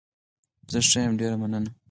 زه ښه يم، ډېره مننه.